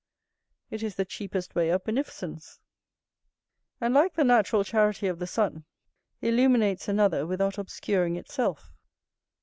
It is the cheapest way of beneficence, and, like the natural charity of the sun, illuminates another without obscuring itself.